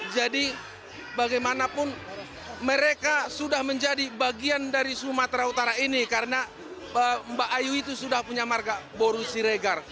jadi bagaimanapun mereka sudah menjadi bagian dari sumatera utara ini karena mbak ayu itu sudah punya marka borusi regar